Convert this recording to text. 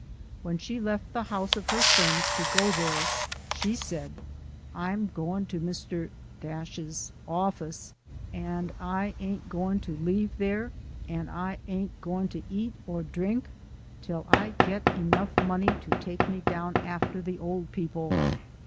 When she left the house of her friends to go there, she said, " I'm gwine to Mr. 's office, an' I ain't gwine to lebe there, an' I ain't gwine to eat or drink till I git enough money to take me down after the ole people."